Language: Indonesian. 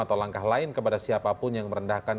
atau langkah lain kepada siapapun yang merendahkan